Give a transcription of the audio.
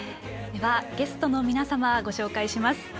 ゲストの皆様、ご紹介します。